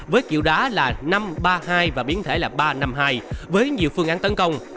với kiểu đá là năm ba hai và biến thể là ba năm hai với nhiều phương án tấn công